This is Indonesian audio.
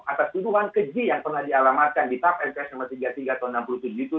atas tuduhan keji yang pernah dialamatkan di tap mps nomor tiga puluh tiga tahun seribu sembilan ratus enam puluh tujuh itu